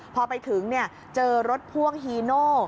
พอไปถึงเจอรถพ่วงฮีโน่